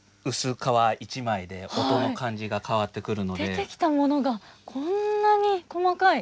出てきたものがこんなに細かい。